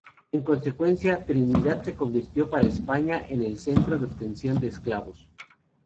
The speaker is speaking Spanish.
En consecuencia, Trinidad se convirtió para España en el centro de obtención de esclavos.